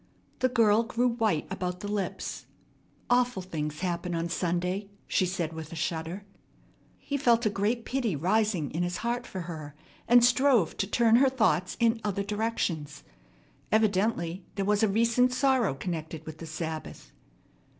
The girl grew white about the lips. "Awful things happen on Sunday," she said with a shudder. He felt a great pity rising in his heart for her, and strove to turn her thoughts in other directions. Evidently there was a recent sorrow connected with the Sabbath.